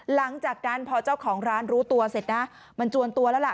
หลังจากนั้นพอเจ้าของร้านรู้ตัวเสร็จนะมันจวนตัวแล้วล่ะ